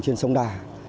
trên sông đà